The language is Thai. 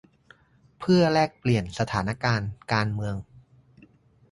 เพื่อแลกเปลี่ยนสถานการณ์การเมือง